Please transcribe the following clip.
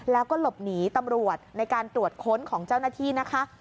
แล้วก็หลบหนีตำรวจในการตรวจค้นของเจ้าหน้าที่นะคะ